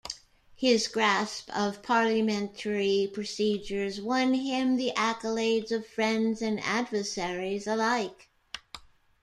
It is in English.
His grasp of parliamentary procedures won him the accolades of friends and adversaries alike.